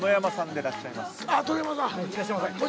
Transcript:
いらっしゃいませ。